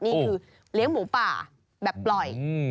นี่คือเลี้ยงหมูป่าแบบปล่อย